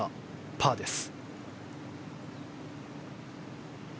パーです。